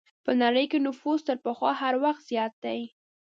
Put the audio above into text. په نړۍ کې نفوس تر پخوا هر وخت زیات دی.